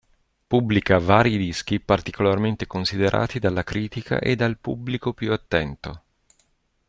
Pubblica vari dischi particolarmente considerati dalla critica e dal pubblico più attento.